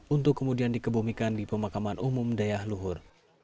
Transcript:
untuk kemudian dikebumikan di pemakaman umum dayah luhur